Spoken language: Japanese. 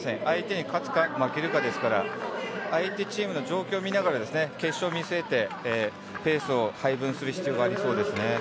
相手に勝つか負けるかですから相手チームの状況を見ながら決勝を見据えてペースを配分する必要がありそうですね。